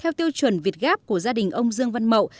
theo tiêu chuẩn việt gáp của gia đình ông dương văn mậu